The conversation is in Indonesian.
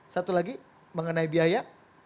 satu lagi mengenai biaya